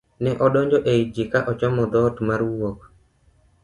ne odonjo e i ji ka ochomo dhoot mar wuok